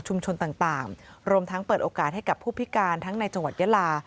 ต่างรวมทั้งเปิดโอกาสให้กับผู้พิการทั้งในจังหวัดยาลา